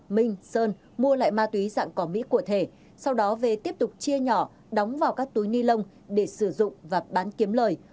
minh sơn mua lại ma túy dạng cỏ mỹ của thể sau đó về tiếp tục chia nhỏ đóng vào các túi ni lông để sử dụng và bán kiếm lời